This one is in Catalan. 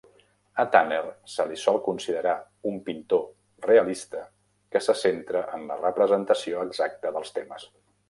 A Tanner se li sol considerar un pintor realista, que se centra en la representació exacta dels temes.